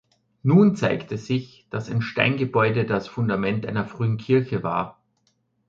Nun zeigte sich, dass ein Steingebäude das Fundament einer frühen Kirche war.